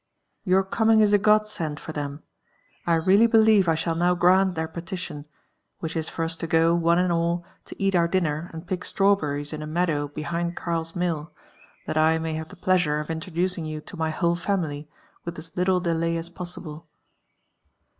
Your coming is a godsend for Uienn, I reallj believe I shifill now fitranl thiir poltlion, — which is for ns lo g9» ene and all, to eal osir dinner and pick slrawberries in a meadow behind KarKi milK *lbat I may have the* pleasure of inlroduciug |ou to my whole family with as IjMle delay as possible."